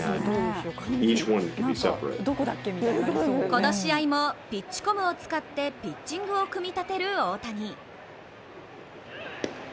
この試合もピッチコムを使ってピッチングを組み立てる大谷。